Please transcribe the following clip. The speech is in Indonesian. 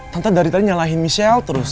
tante dari tadi nyalahin michelle terus